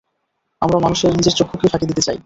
আমরা মানুষেরা নিজের চক্ষুকেই ফাঁকি দিতে চাই।